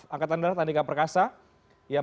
angkatan darat andika perkasa yang